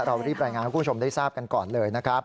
เรารีบรายงานให้คุณผู้ชมได้ทราบกันก่อนเลยนะครับ